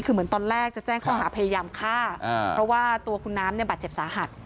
คือเหมือนตอนแรกจะแจ้งข้อหาพยายามฆ่าเพราะว่าตัวคุณน้ำเนี่ยบาดเจ็บสาหัส